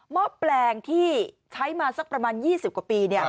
ห้อแปลงที่ใช้มาสักประมาณ๒๐กว่าปี